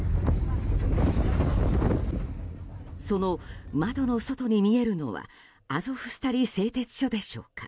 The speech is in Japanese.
その窓の外に見えるのはアゾフスタリ製鉄所でしょうか。